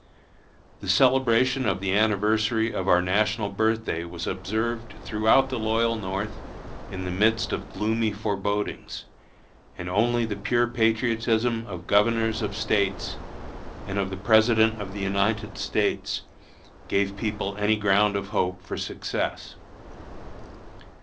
The celebration of the anniversary of our national birthday was observed throughout the loyal North in the midst of gloomy forebodings, and only the pure patriotism of governors of States, and of the President of the United States, gave the people any ground of hope for success.